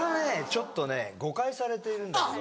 ちょっとね誤解されているんだけど。